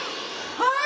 はい！